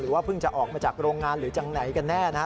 ว่าเพิ่งจะออกมาจากโรงงานหรือจังไหนกันแน่นะฮะ